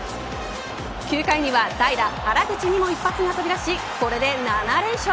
９回には代打、原口にも一発が飛び出しこれで７連勝。